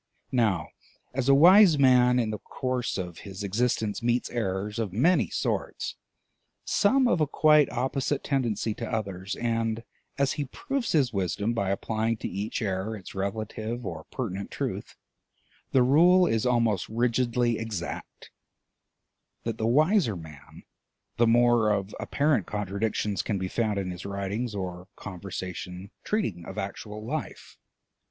Now as a wise man in the course of his existence meets errors of many sorts, some of a quite opposite tendency to others, and as he proves his wisdom by applying to each error its relative or pertinent truth, the rule is almost rigidly exact: that the wiser the man the more of apparent contradictions can be found in his writings or conversation treating of actual life.